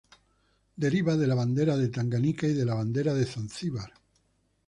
Deriva de la bandera de Tanganica y de la bandera de Zanzíbar.